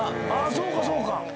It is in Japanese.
そうかそうか！